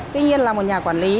tuy nhiên là một nhà quản lý